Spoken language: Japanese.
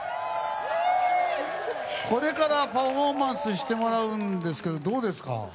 これからパフォーマンスをしてもらうんですけどどうですか？